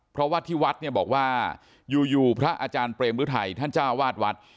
เพราะว่าที่วัดเนี่ยบอกว่าอยู่พระอาจารย์เปรมฤทัยท่านเจ้าวาดวัด